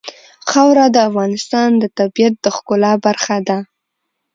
خاوره د افغانستان د طبیعت د ښکلا برخه ده.